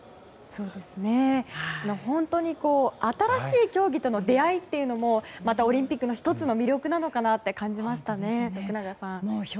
本当に新しい競技との出会いというのもまたオリンピックの１つの魅力なのかなって感じましたね、徳永さん。